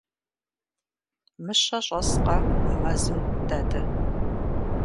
Мыщэ щӀэскъэ мы мэзым, дадэ?